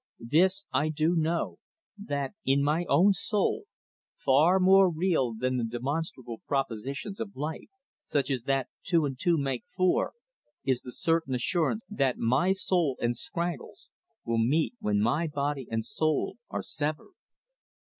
This I do know, that in my own soul, far more real than the demonstrable propositions of life, such as that two and two make four, is the certain assurance that my soul and Scraggles' will meet when my body and soul are severed.